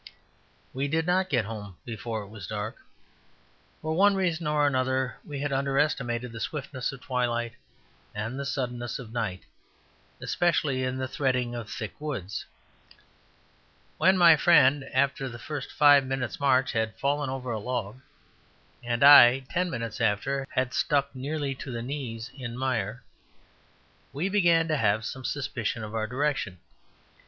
We did not get home before it was dark. For one reason or another we had underestimated the swiftness of twilight and the suddenness of night, especially in the threading of thick woods. When my friend, after the first five minutes' march, had fallen over a log, and I, ten minutes after, had stuck nearly to the knees in mire, we began to have some suspicion of our direction.